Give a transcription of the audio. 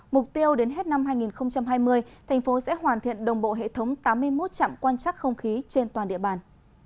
mục tiêu đến hết năm hai nghìn hai mươi thành phố sẽ hoàn thiện đồng bộ hệ thống tám mươi một chạm quan chắc không khí trên toàn địa bàn